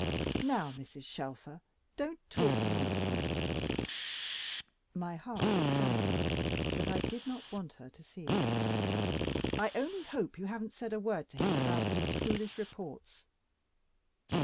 "Now, Mrs. Shelfer, don't talk nonsense," my heart was jumping, but I did not want her to see it. "I only hope you haven't said a word to him about these foolish reports."